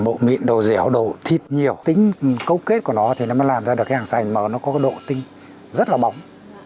bộ mịn đồ dẻo đồ thịt nhiều tính câu kết của nó thì nó mới làm ra được cái hàng sành mà nó có cái độ tinh rất là bóng